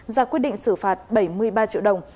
ra quyết định xử phạt bảy mươi ba triệu đồng